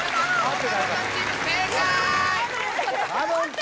鋼太郎さんチーム正解！